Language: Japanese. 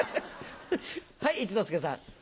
はい一之輔さん。